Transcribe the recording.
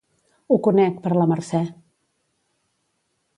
Ho conec, per la Mercè.